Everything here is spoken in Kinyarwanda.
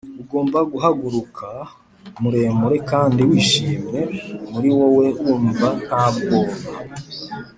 ugomba guhaguruka muremure kandi wishimye, muri wowe wumva nta bwoba,